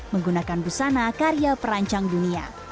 menggunakan busana karya perancang dunia